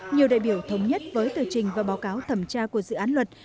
nhiều đại biểu thống nhất với tờ trình và báo cáo thẩm tra của dự án luật